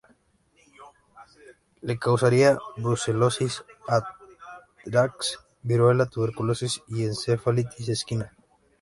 Le causaría brucelosis, anthrax, Viruela, tuberculosis y encefalitis equina.